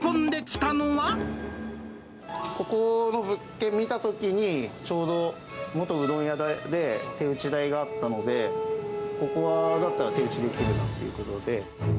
ここの物件、見たときに、ちょうど元うどん屋で、手打ち台があったので、ここは、だったら手打ちできるなということで。